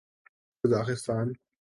Kazakhstan